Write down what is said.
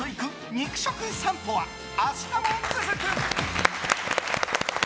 肉食さんぽは、明日も続く！